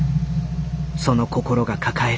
その心が抱える。